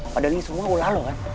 padahal ini semua ulah lo kan